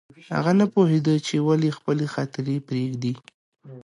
هغه نه پوهېده چې ولې خپلې خاطرې پرېږدي